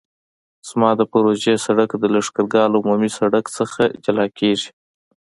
زما د پروژې سرک د لښکرګاه له عمومي سرک څخه جلا کیږي